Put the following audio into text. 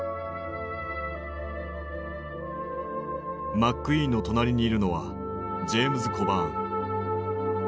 マックイーンの隣にいるのはジェームズ・コバーン。